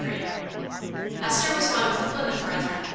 III Esther was one of the Plymouth Brethren.